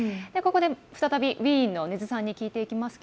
再びウィーンの禰津さんに聞いていきます。